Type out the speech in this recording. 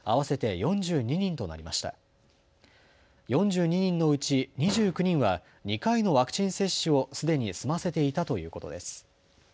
４２人のうち２９人は２回のワクチン接種をすでに済ませていたということです。